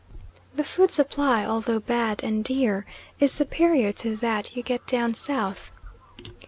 The food supply, although bad and dear, is superior to that you get down south.